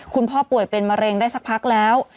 ป่วยเป็นมะเร็งได้สักพักแล้ว